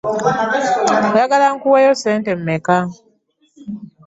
Oyagala nkuweeyo ssente mmeka?